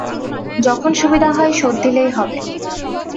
যখন সুবিধা হয় শোধ দিলেই হইবে।